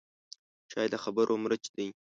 چای د خبرو مرچ دی